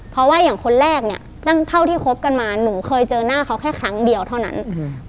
เพราะว่าอย่างคนแรกเนี้ยตั้งเท่าที่คบกันมาหนูเคยเจอหน้าเขาแค่ครั้งเดียวเท่านั้นอืม